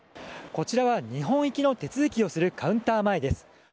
こちらは日本行きの手続きをするカウンター前です。